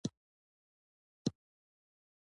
په آخرت کې به ځواب ورکوي.